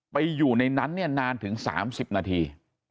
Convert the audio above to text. อยู่ในนั้นเนี่ยนานถึง๓๐นาที